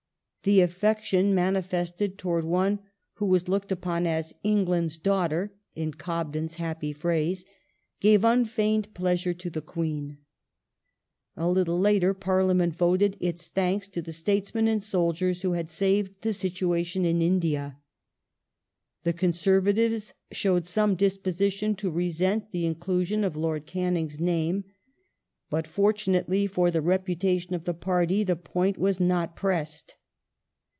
The affection mani fested towards one who was looked upon as " England's daughter '' (in Cobden's happy phrase) gave unfeigned pleasure to the Queen.^ A little later Parliament voted its thanks to the statesmen and soldiers who had saved the situation in India. The Conservatives showed some disposition to resent the inclusion of Lord Canning's name, but fortunately for the reputation of the Party the point was not pressed.